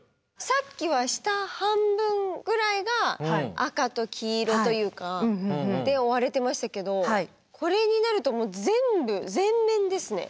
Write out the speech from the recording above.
さっきは下半分ぐらいが赤と黄色というかで覆われていましたけどこれになると全部全面ですね。